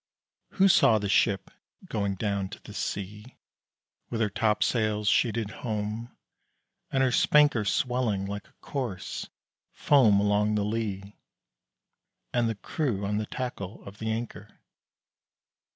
Who saw the ship going down to the sea With her topsails sheeted home, and her spanker Swelling like a course, foam along the lee, And the crew on the tackle of the anchor?